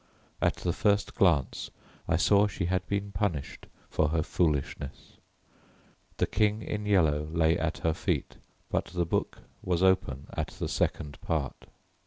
At the first glance I saw she had been punished for her foolishness. The King in Yellow lay at her feet, but the book was open at the second part.